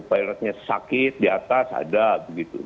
pilotnya sakit di atas ada begitu